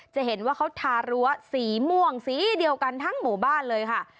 จะเห็นว่าเขาทารั้วสีม่วงสีเดียวกันทั้งหมู่บ้านเลยค่ะ